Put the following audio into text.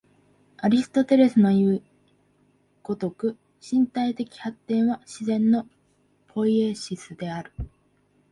アリストテレスのいう如く、身体的発展は自然のポイエシスである。